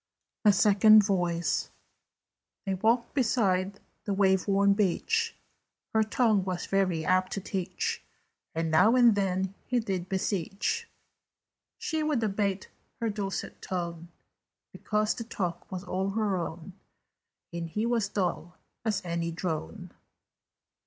The Second Voice. They walked beside the wave worn beach; Her tongue was very apt to teach, And now and then he did beseech She would abate her dulcet tone, Because the talk was all her own, And he was dull as any drone.